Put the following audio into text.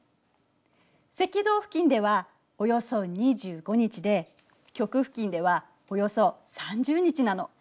赤道付近ではおよそ２５日で極付近ではおよそ３０日なの。